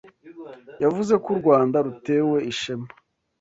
yavuze ko u Rwanda rutewe ishema